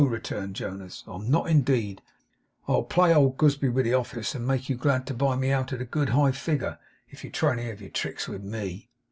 returned Jonas, 'I'm not indeed. I'll play old Gooseberry with the office, and make you glad to buy me out at a good high figure, if you try any of your tricks with me.